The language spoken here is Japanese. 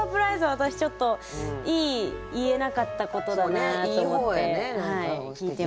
私ちょっといい「言えなかったこと」だなと思って聞いてました。